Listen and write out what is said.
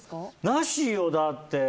なしよ、だって。